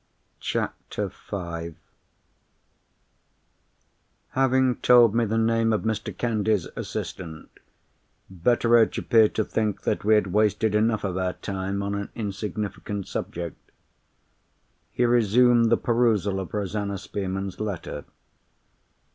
CHAPTER V Having told me the name of Mr. Candy's assistant, Betteredge appeared to think that we had wasted enough of our time on an insignificant subject. He resumed the perusal of Rosanna Spearman's letter.